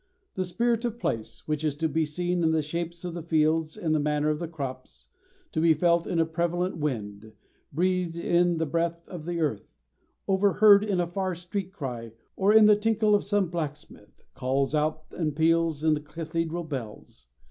The spirit of place, which is to be seen in the shapes of the fields and the manner of the crops, to be felt in a prevalent wind, breathed in the breath of the earth, overheard in a far street cry or in the tinkle of some black smith, calls out and peals in the cathedral bells.